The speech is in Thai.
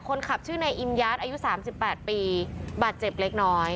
คนขับชื่อนายอิมยาทอายุ๓๘ปีบาดเจ็บเล็กน้อย